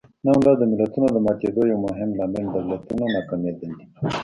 نن ورځ د ملتونو د ماتېدو یو مهم لامل د دولتونو ناکامېدل دي.